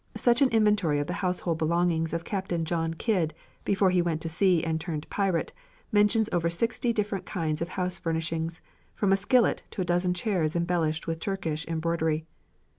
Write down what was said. Such an inventory of the household belongings of Captain John Kidd, before he went to sea and turned pirate, mentions over sixty different kinds of house furnishings, from a skillet to a dozen chairs embellished with Turkish embroidery.